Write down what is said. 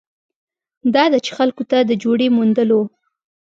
دا ده چې خلکو ته د جوړې موندلو